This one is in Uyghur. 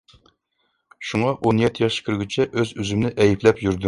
شۇڭا، ئون يەتتە ياشقا كىرگۈچە ئۆز-ئۆزۈمنى ئەيىبلەپ يۈردۈم.